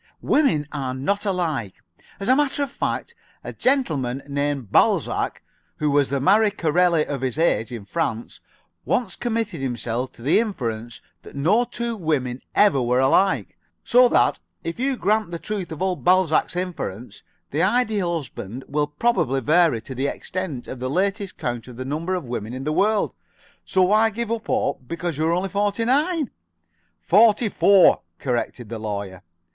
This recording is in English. Women are not all alike. As a matter of fact, a gentleman named Balzac, who was the Marie Corelli of his age in France, once committed himself to the inference that no two women ever were alike, so that, if you grant the truth of old Balzac's inference, the Ideal Husband will probably vary to the extent of the latest count of the number of women in the world. So why give up hope because you are only forty nine?" "Forty four," corrected the Lawyer.